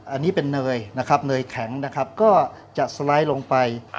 อันนี้เป็นเนยนะครับเนยแข็งนะครับก็จะสไลด์ลงไป